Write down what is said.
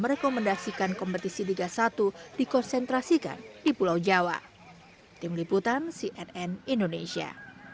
rekomendasikan kompetisi tiga puluh satu dikonsentrasikan di pulau jawa tim liputan cnn indonesia